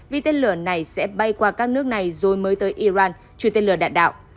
vì tên lửa này sẽ bay qua các nước này rồi mới tới iran trừ tên lửa đạn đạo